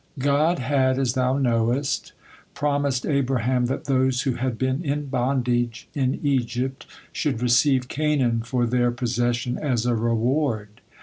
God had, as thou knowest, promised Abraham that those who had been in bondage in Egypt should receive Canaan for their possession as a reward.